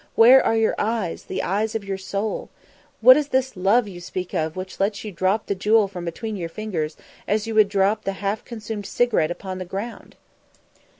Where are your eyes, the eyes of your soul? What is this love you speak of which lets you drop the jewel from between your fingers as you would drop the half consumed cigarette upon the ground?"